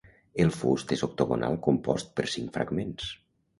El fust és octogonal compost per cinc fragments.